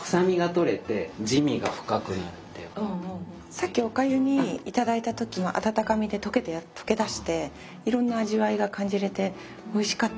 さっきおかゆにいただいた時温かみで溶け出していろんな味わいが感じれておいしかった。